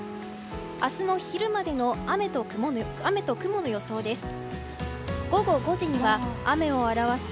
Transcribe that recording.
明日の昼までの雨と雲の予想です。